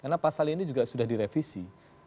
karena pasal ini juga sudah direvisi